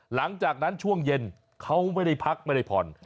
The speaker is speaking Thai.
หลังจากนั้นช่วงเย็นเขาไม่ได้พักไม่ได้ผ่อน